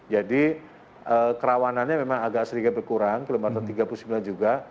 jadi kerawanannya memang agak serigap berkurang kilometer tiga puluh sembilan juga